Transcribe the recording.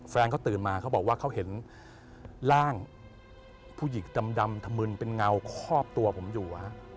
แฟนเขาตื่นมาเขาบอกว่าเขาเห็นร่างผู้หญิงดำถมึนเป็นเงาคอบตัวผมอยู่